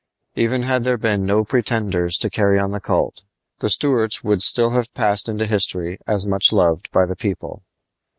Even had there been no pretenders to carry on the cult, the Stuarts would still have passed into history as much loved by the people.